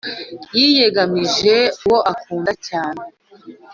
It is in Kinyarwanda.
yiyegamije uwo akunda cyane